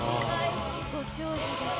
ご長寿ですね。